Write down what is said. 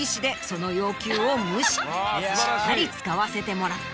しっかり使わせてもらった。